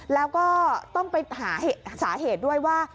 แล้วก็ต้องไปหาสาเหตุด้วยว่า